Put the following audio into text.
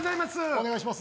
お願いします